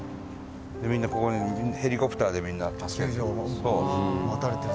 みんな、ここにヘリコプターで、みんな助けて。